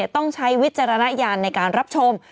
ต้องใช้วิจารณญาณในการรับชม